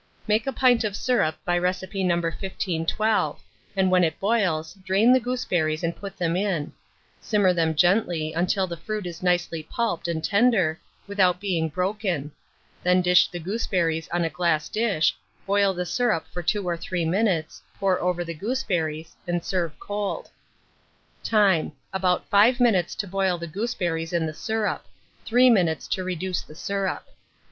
Make a pint of syrup by recipe No. 1512, and when it boils, drain the gooseberries and put them in; simmer them gently until the fruit is nicely pulped and tender, without being broken; then dish the gooseberries on a glass dish, boil the syrup for 2 or 3 minutes, pour over the gooseberries, and serve cold. Time. About 5 minutes to boil the gooseberries in the syrup; 3 minutes to reduce the syrup.